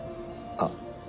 あっ。